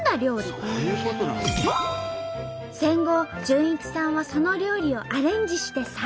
戦後潤一さんはその料理をアレンジして再現。